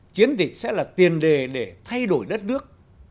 chiến dịch sẽ là tiền đề để thay đổi đất nước